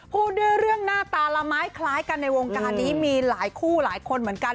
พูดด้วยเรื่องหน้าตาละไม้คล้ายกันในวงการนี้มีหลายคู่หลายคนเหมือนกัน